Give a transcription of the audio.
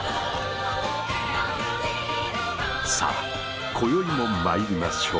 さあ今宵も参りましょう。